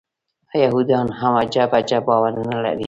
یهودان هم عجب عجب باورونه لري.